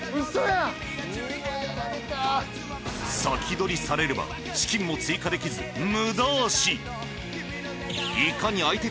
先取りされれば資金も追加できず無駄足。